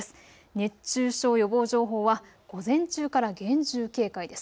熱中症予防情報は午前中から厳重警戒です。